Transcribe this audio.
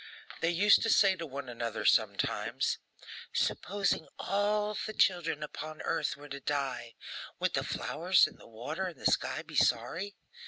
They used to say to one another, sometimes, Supposing all the children upon earth were to die, would the flowers, and the water, and the sky be sorry?